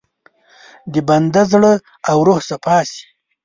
د بنده زړه او روح صفا شي.